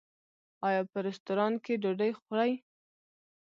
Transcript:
ایا په رستورانت کې ډوډۍ خورئ؟